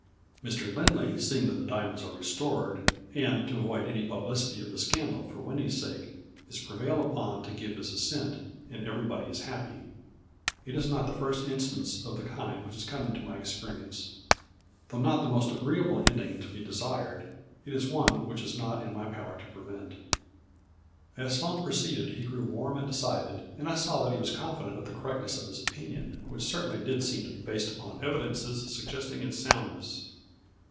Mr. Lindley, seeing that the diamonds are restored, and to avoid any publicity of the scandal, for Winnie's sake, is prevailed upon to give his assent, and everybody is happy. A FLURRY IN DIAMONDS. 89 " It is not the first instance of the kind which has come into my experience. Though not the most agreeable ending to be desired, it is one which it is not in my power to prevent." As Sloane proceeded he grew warm and de cided, and I saw that he was confident of the correctness of his opinion, which certainly did seem to be based upon evidences suggesting its soundness.